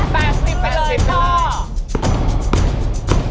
๘๐ไปเลยพอ